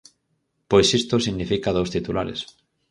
Pois isto significa dous titulares.